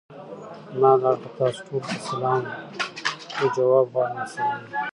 زما له اړخه تاسو ټولو ته سلام خو! جواب غواړم د سلام.